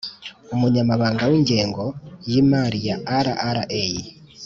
umunyamabanga w ingengo y Imari ya rra